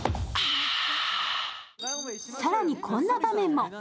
更に、こんな場面も。